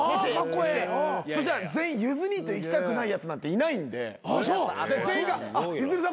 そうしたら全員ゆず兄と行きたくないやつなんていないんで全員がゆずるさん